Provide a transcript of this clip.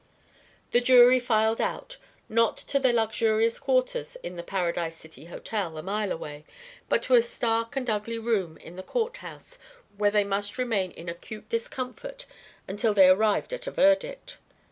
The jury filed out, not to their luxurious quarters in the Paradise City Hotel, a mile away, but to a stark and ugly room in the Court house where they must remain in acute discomfort until they arrived at a verdict.